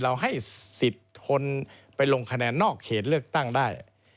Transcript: ให้สิทธิ์คนไปลงคะแนนนอกเขตเลือกตั้งได้